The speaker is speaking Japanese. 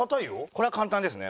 これは簡単ですね。